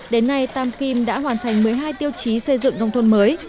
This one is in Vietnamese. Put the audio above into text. đến nay tam kim đã hoàn thành một mươi hai tiêu chí xây dựng nông thôn mới